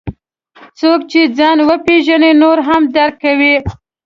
څوک چې ځان وپېژني، نور هم درک کوي.